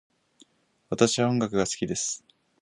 私は音楽が好きです。